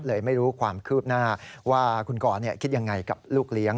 ไม่รู้ความคืบหน้าว่าคุณกรคิดยังไงกับลูกเลี้ยง